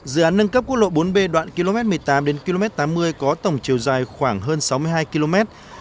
dự án nâng cấp quốc lộ bốn b đoạn km một mươi tám đến km tám mươi có tổng chiều dài khoảng hơn sáu mươi hai km